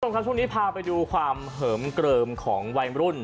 คุณผู้ชมครับช่วงนี้พาไปดูความเหิมเกลิมของวัยรุ่น